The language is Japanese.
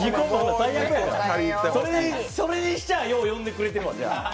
それにしちゃあ、よう呼んでくれてるわ。